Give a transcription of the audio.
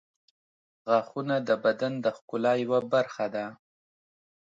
• غاښونه د بدن د ښکلا یوه برخه ده.